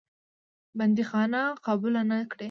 بندیخانه قبوله نه کړې.